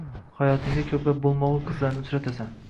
Hayotingda ko‘plab bo‘lmagur qizlarni uchratasan.